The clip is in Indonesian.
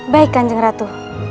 baik kanjeng ratu